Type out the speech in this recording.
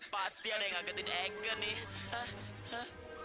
pasti ada yang ngagetin agen nih